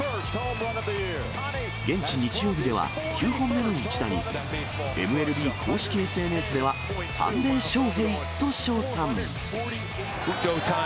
現地、日曜日では９本目の一打に、ＭＬＢ公式ＳＮＳでは、サンデーショウヘイ！と称賛。